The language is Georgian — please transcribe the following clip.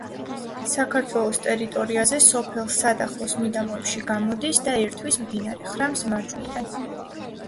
საქართველოს ტერიტორიაზე სოფელ სადახლოს მიდამოებში გამოდის და ერთვის მდინარე ხრამს მარჯვნიდან.